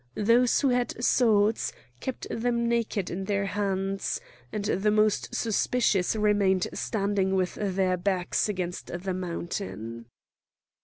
Those who had swords kept them naked in their hands, and the most suspicious remained standing with their backs against the mountain.